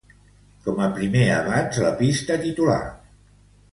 Com a primer avanç la pista titular.